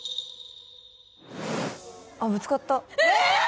あっぶつかったええ！？